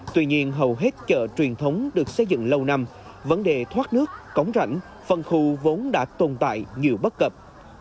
tuy nhiên hầu hết chợ truyền thống được xây dựng lâu năm vấn đề thoát nước cống rãnh phân khu vốn đã tồn tại nhiều bất cập